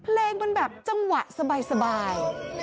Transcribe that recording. เพลงมันแบบจังหวะสบาย